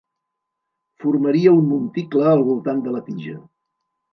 Formaria un monticle al voltant de la tija.